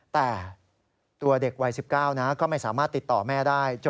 แต่ตัวเด็กวัย๑๙ก็ไม่สามารถติดต่อแม่ได้